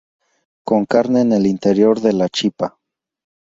Con carne en el interior de la chipá.